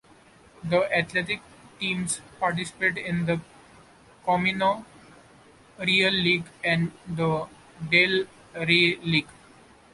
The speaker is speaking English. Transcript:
The athletic teams participate in the Camino Real League and the Del Rey League.